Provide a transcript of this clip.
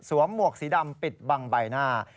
หมวกสีดำปิดบังใบหน้า